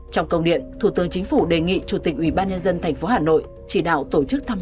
trong công điện thủ tướng chính phủ đề nghị chủ tịch ubnd tp hà nội chỉ đạo tổ chức thăm